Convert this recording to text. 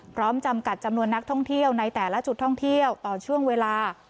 จำกัดจำนวนนักท่องเที่ยวในแต่ละจุดท่องเที่ยวต่อช่วงเวลา